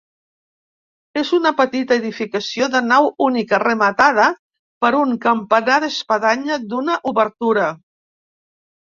És una petita edificació de nau única, rematada per un campanar d'espadanya d'una obertura.